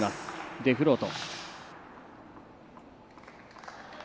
デフロート。